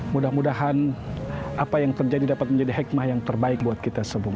mudah mudahan apa yang terjadi dapat menjadi hikmah yang terbaik buat kita semua